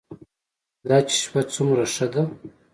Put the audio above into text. دا چې شپه څومره ښه ده.